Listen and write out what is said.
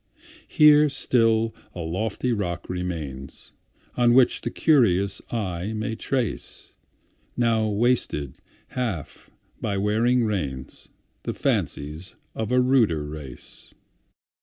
Here still a lofty rock remains, On which the curious eye may trace(Now wasted half by wearing rains)The fancies of a ruder race.